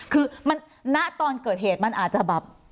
คือณตอนเกิดเหตุมันอาจจะแบบ